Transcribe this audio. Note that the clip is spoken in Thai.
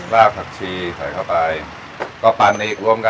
ลากผักชีใส่เข้าไปก็ปั่นอีกรวมกัน